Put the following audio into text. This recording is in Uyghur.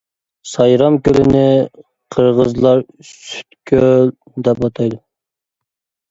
سايرام كۆلىنى قىرغىزلار «سۈت كۆل» دەپ ئاتايدۇ.